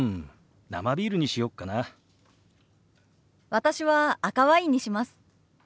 私は赤ワインにします。